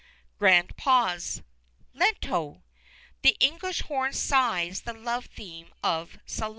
Grand pause: Lento. The English horn sighs the love theme of Salome."